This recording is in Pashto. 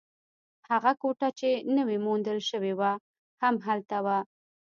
هغه کوټه چې نوې موندل شوې وه، هم هلته وه.